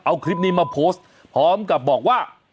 เอาคลิปนี้มาโพสต์พร้อมกับบอกว่า